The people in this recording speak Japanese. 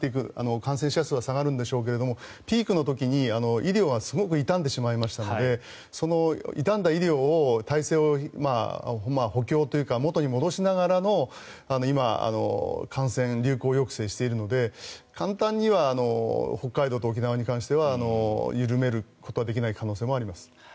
感染者数は下がるんでしょうけどピークの時に医療がすごく痛んでしまいましたのでその痛んだ医療の体制を補強というか、元に戻しながらの今、感染流行抑制をしているので簡単に言えば沖縄と北海道は緩めることはできない可能性はあります。